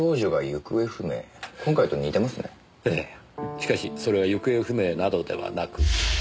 しかしそれは行方不明などではなく。